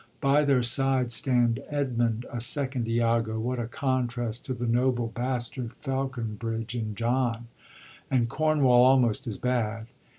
By their side stand Edmund — a second lago (what a contrast to the noble Bastard Faulcon bridge in Jo^n.O— and Cornwall, almost as bad.